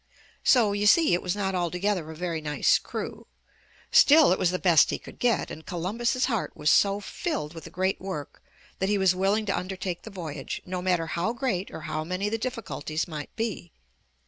So, you see, it was not alto gether a very nice crew! Still it was the best he could get, and Columbus' heart was so filled with the great work that he was willing to undertake the voyage, no matter how great or how many the difficulties might be.